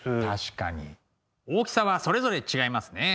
大きさはそれぞれ違いますね。